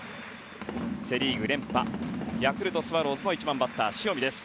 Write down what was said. セ・リーグ連覇ヤクルトスワローズの１番バッター、塩見です。